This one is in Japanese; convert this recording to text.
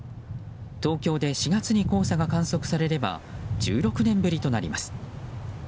東京で４月に黄砂が観測されれば１６年ぶりとなります。